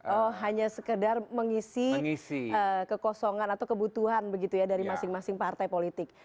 oh hanya sekedar mengisi kekosongan atau kebutuhan begitu ya dari masing masing partai politik